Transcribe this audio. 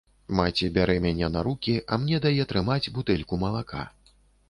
Маці бярэ мяне на рукі, а мне дае трымаць бутэльку малака.